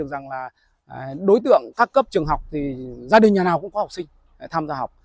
gia đình nhà nào cũng có học sinh tham gia học